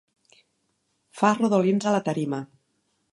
Fa rodolins a la tarima.